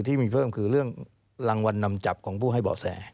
ที่มีเพิ่มคือเรื่องรางวัลนำจับของผู้ให้เบาะแส